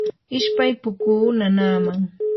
ishpay pukuu nanaaman.